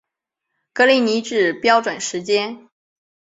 格林尼治标准时间